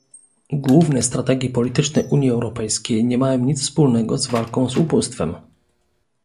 Główne strategie polityczne Unii Europejskiej nie mają nic wspólnego z walką z ubóstwem